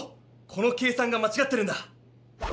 この計算がまちがってるんだ！